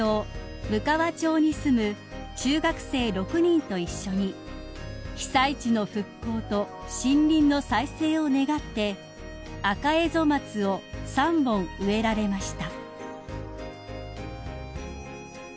むかわ町に住む中学生６人と一緒に被災地の復興と森林の再生を願ってアカエゾマツを３本植えられました］